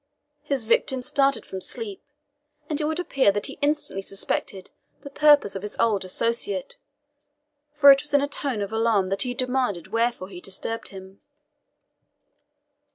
His victim started from sleep, and it would appear that he instantly suspected the purpose of his old associate, for it was in a tone of alarm that he demanded wherefore he disturbed him.